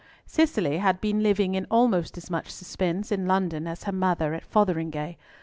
Cicely had been living in almost as much suspense in London as her mother at Fotheringhay.